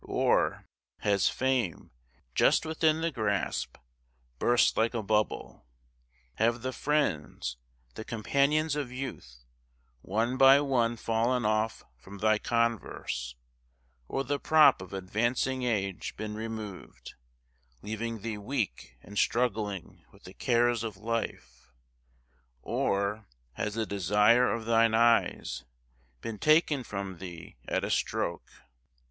or, has fame, just within the grasp, burst like a bubble? Have the friends, the companions of youth, one by one fallen off from thy converse; or the prop of advancing age been removed, leaving thee weak and struggling with the cares of life; or, has "the desire of thine eyes" been taken from thee at a stroke?